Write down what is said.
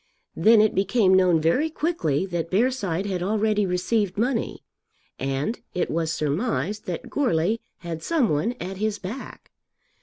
Then it became known very quickly that Bearside had already received money, and it was surmised that Goarly had some one at his back.